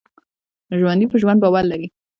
ژوندي په ژوند باور لري